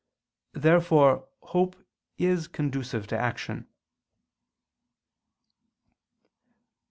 Therefore hope is conducive to action.